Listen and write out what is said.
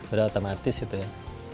udah otomatis gitu ya